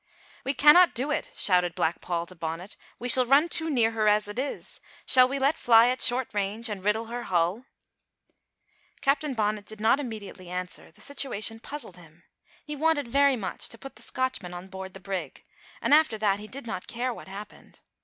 "We cannot do it," shouted Black Paul to Bonnet, "we shall run too near her as it is. Shall we let fly at short range and riddle her hull?" Captain Bonnet did not immediately answer; the situation puzzled him. He wanted very much to put the Scotchman on board the brig, and after that he did not care what happened.